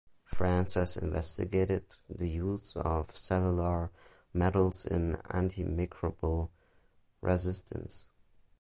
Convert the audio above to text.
Franz has investigated the use of cellular metals in antimicrobial resistance.